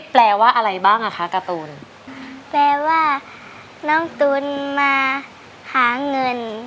แปลว่าน้องตุ๋นมาหาเงิน